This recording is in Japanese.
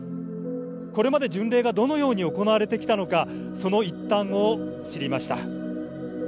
これまで巡礼がどのように行われてきたのか、その一端を知りました。